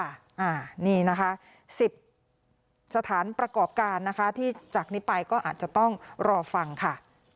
อันนี้นะคะ๑๐สถานประกอบการนะคะที่จากนี้ไปก็อาจจะต้องรอฟังค่ะ